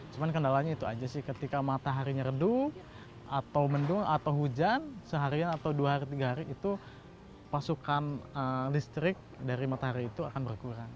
cuma kendalanya itu aja sih ketika mataharinya redu atau mendung atau hujan seharian atau dua hari tiga hari itu pasukan listrik dari matahari itu akan berkurang